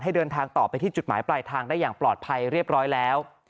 เดินทางต่อไปที่จุดหมายปลายทางได้อย่างปลอดภัยเรียบร้อยแล้ว